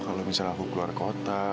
kalau misalnya aku keluar kota